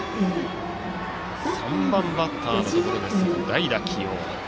３番バッターのところですが代打起用。